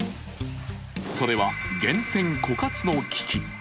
それは、源泉枯渇の危機。